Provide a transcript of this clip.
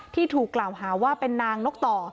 ที่ถูกกล่าวหาว่าเป็นนางนกต่อ